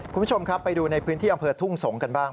คุณผู้ชมครับไปดูในพื้นที่อำเภอทุ่งสงศ์กันบ้าง